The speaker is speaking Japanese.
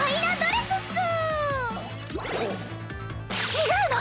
違うの！